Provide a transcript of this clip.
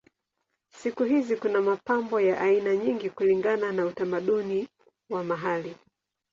Siku hizi kuna mapambo ya aina nyingi kulingana na utamaduni wa mahali.